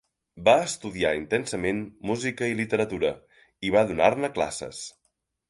Va estudiar intensament música i literatura, i va donar-ne classes.